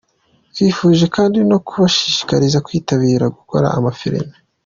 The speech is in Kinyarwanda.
Twifuje kandi no kubashishikariza kwitabira gukora amafilimi.